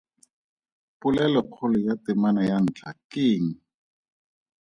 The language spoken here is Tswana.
Polelokgolo ya temana ya ntlha ke eng?